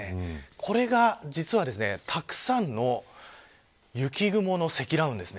これが、実はたくさんの雪雲の積乱雲です。